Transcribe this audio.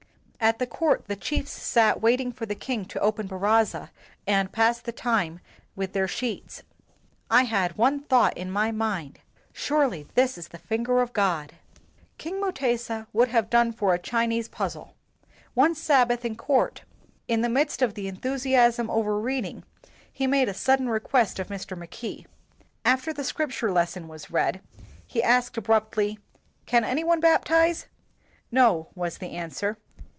At the court the chiefs sat waiting for the king to open taraza, and passed the time with their sheets. "I had one thought in my mind, surely this is the finger of God. '' King Mutesa would have done for a Chi nese puzzle. One Sabbath in court, in the midst of the enthusiasm over reading, he made a sudden request of Mr. Mackay. After the Scripture lesson was read, he asked abruptly, "Can any one baptize?" "No," was the answer.